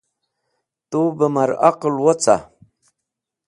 Tub mar aql woca?